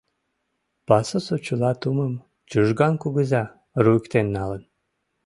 Пасусо чыла тумым Чужган кугыза руыктен налын.